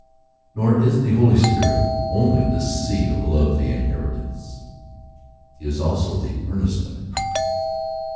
Nor is the Holy Spirit only the seal of the inheritance, he is also the earnest of it.